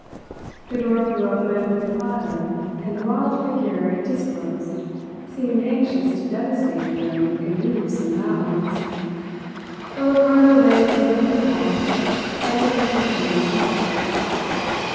The door flew open with a clatter, and the wild figure it disclosed seemed anxious to devastate the room in leaps and bounds; but Ricardo raised his open palm, and the creature came in quietly.